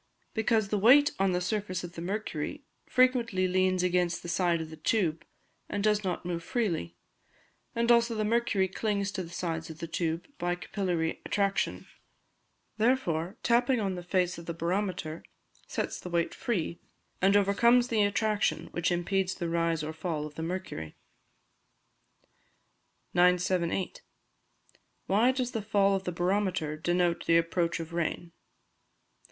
_ Because the weight on the surface of the mercury frequently leans against the side of the tube, and does not move freely. And, also, the mercury clings to the sides of the tube by capillary attraction; therefore, tapping on the face of the barometer sets the weight free, and overcomes the attraction which impedes the rise or fall of the mercury. 978. _Why does the Fall of the Barometer denote the Approach of Rain?